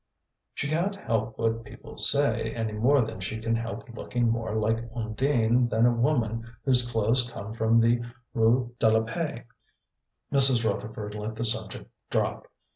"She can't help what people say, any more than she can help looking more like Undine than a woman whose clothes come from the Rue de la Paix." Mrs. Rutherford let the subject drop.